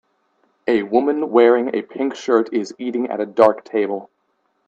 A woman wearing a pink shirt is eating at a dark table.